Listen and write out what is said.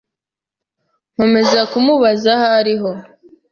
nkomeza kumubaza aho ariho,